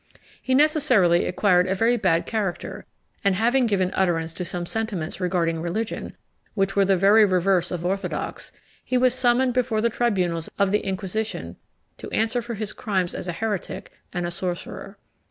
He necessarily acquired a very bad character; and, having given utterance to some sentiments regarding religion which were the very reverse of orthodox, he was summoned before the tribunals of the Inquisition to answer for his crimes as a heretic and a sorcerer.